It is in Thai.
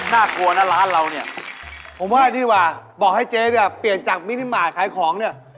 ผมว่าดีกว่าบอกให้เจ๊เปลี่ยนจากมินิมาตรขายของนี่